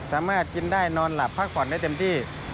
สามารถกินได้นอนหลับพักผ่อนได้เต็มที่